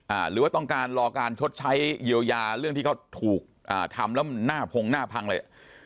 หรือว่าต้องการรอการชดใช้เยียวยาเรื่องที่เขาถูกอ่าทำแล้วมันหน้าพงหน้าพังเลยอ่ะ